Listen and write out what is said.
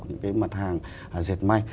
những cái mặt hàng diệt may